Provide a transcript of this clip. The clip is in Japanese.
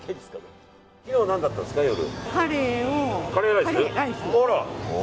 昨日は何だったんですか、夜。